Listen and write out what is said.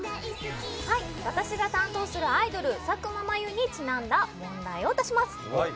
私が担当するアイドル佐久間まゆにちなんだ問題を出します。